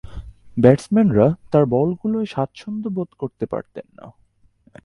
ব্যাটসম্যানেরা তার বলগুলোয় স্বাচ্ছন্দ্যবোধ করতে পারতেন না।